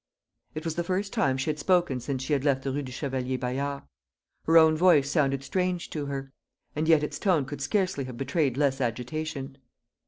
It was the first time she had spoken since she had left the Rue du Chevalier Bayard. Her own voice sounded strange to her; and yet its tone could scarcely have betrayed less agitation.